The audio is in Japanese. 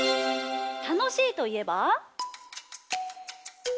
たのしいといえば？